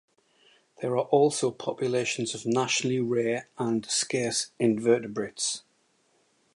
There are also populations of nationally rare and scarce invertebrates.